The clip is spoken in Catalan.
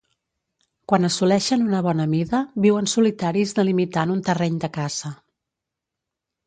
Quan assoleixen una bona mida viuen solitaris delimitant un terreny de caça.